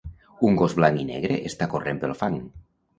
Un gos blanc i negre està corrent pel fang.